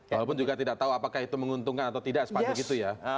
walaupun juga tidak tahu apakah itu menguntungkan atau tidak sepanjang itu ya